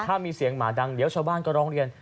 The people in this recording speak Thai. ถ้ามีเสียงหมาดังเดี๋ยวชาวบ้านก็ร้องเรียน